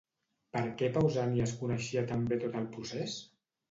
Per què Pausànies coneixia tan bé tot el procés?